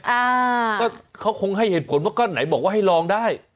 อ่าก็เขาคงให้เหตุผลว่าก้อนไหนบอกว่าให้ลองได้